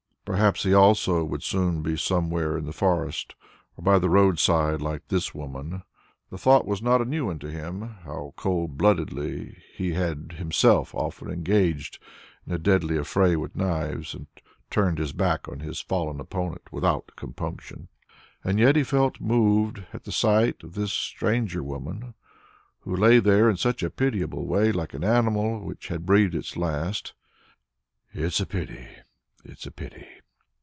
Perhaps he also would soon be somewhere in the forest or by the road side like this woman. The thought was not a new one to him. How cold bloodedly he had himself often engaged in a deadly affray with knives and turned his back on his fallen opponent without compunction. And yet he felt moved at the sight of this stranger woman, who lay there in such a pitiable way like an animal which has breathed its last. "It's a pity, a pity!"